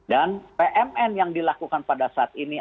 dan pmn yang dilakukan pada saat ini